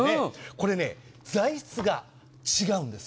これ、材質が違うんです。